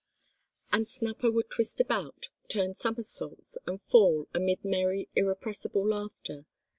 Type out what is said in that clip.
And Snapper would twist about, turn somersaults, and fall, amid merry, irrepressible laughter.